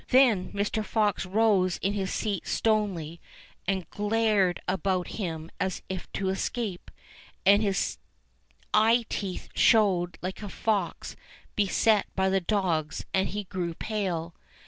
238 ENGLISH FAIRY TALES Then Mr. Fox rose in his seat stonily and glared about him as if to escape, and his eye teeth showed Hke a fox beset by the dogs, and he grew pale.